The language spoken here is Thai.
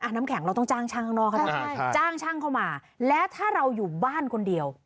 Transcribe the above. น้ำแข็งเราต้องจ้างช่างข้างนอกให้ได้จ้างช่างเข้ามาและถ้าเราอยู่บ้านคนเดียว